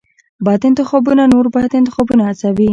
بد انتخابونه نور بد انتخابونه هڅوي.